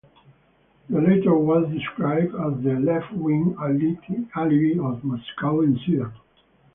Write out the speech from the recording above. The latter was described as the "left-wing alibi of Moscow in Sweden".